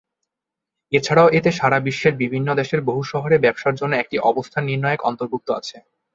এছাড়াও এতে সারা বিশ্বের বিভিন্ন দেশের বহু শহরে ব্যবসার জন্য একটি "অবস্থান নির্ণায়ক" অন্তর্ভুক্ত আছে।